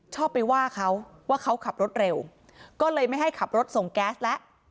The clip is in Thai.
ชอบไปว่าเขาว่าเขาขับรถเร็วก็เลยไม่ให้ขับรถส่งแก๊สแล้ว